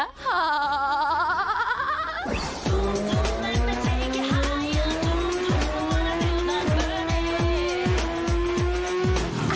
อยากไกลก็ไม่ไหว